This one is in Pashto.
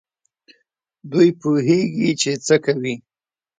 دوی پوهېږي چي څه کوي.